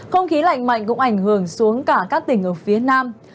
không khí lạnh mạnh cũng ảnh hưởng xuống cả các tỉnh ở phía nam